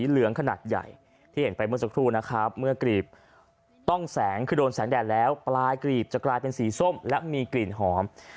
แล้วปลายกรีบจะกลายเป็นสีส้มและมีกลิ่นหอม